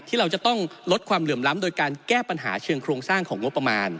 ที่เราจะต้องลดความเหลื่อมล้ำโดยการแก้ปัญหาเชิงโครงสร้างของงบประมาณ